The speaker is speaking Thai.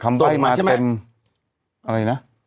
อะไรนะ